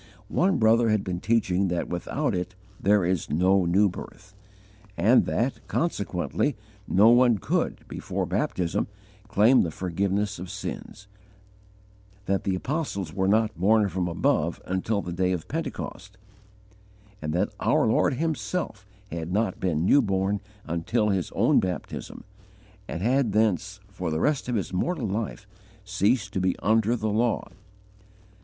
One brother had been teaching that without it there is no new birth, and that, consequently, no one could, before baptism, claim the forgiveness of sins; that the apostles were not born from above until the day of Pentecost, and that our Lord Himself had not been new born until His own baptism, and had thence, for the rest of His mortal life, ceased to be under the law!